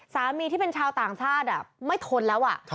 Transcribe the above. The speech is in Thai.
ที่เป็นชาวต่างชาติไม่ทนแล้ว